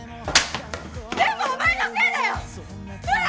全部お前のせいだよ！うわ！